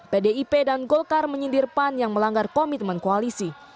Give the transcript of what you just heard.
pdip dan golkar menyindir pan yang melanggar komitmen koalisi